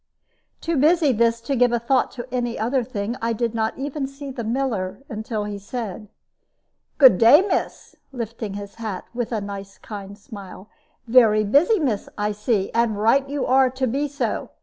Too busy thus to give a thought to any other thing, I did not even see the miller, until he said, "Good day, miss," lifting his hat, with a nice kind smile. "Very busy, miss, I see, and right you are to be so.